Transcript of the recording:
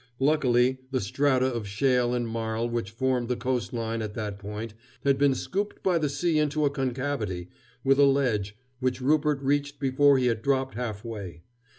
Luckily, the strata of shale and marl which formed the coast line at that point had been scooped by the sea into a concavity, with a ledge, which Rupert reached before he had dropped half way.